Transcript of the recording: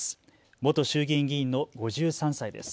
元衆議院議員の５３歳です。